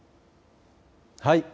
はい。